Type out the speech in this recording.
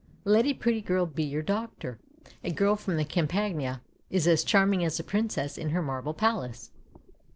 Let a pretty girl be your doctor; a girl from the Campagna is as charming as a princess in her marble palace.